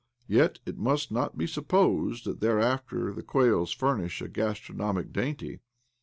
Yet it must not be sup posed that thereafter the quails furnish a 8o OBLOMOV gastronomic dainty.